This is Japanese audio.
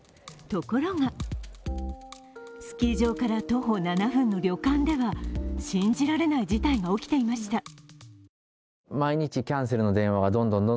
ところが、スキー場から徒歩７分の旅館では信じられない事態が起きていました。